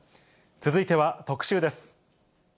続いては特集です。